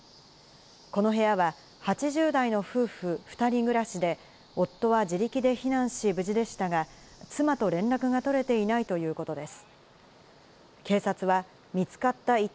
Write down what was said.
この部屋は８０代の夫婦２人暮らしで、夫は自力で避難し、無事でしたが、妻と連絡が取れていないということです。